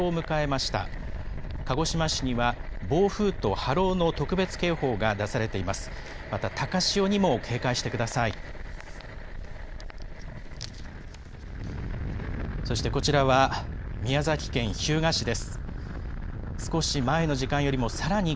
また高潮にも警戒してください。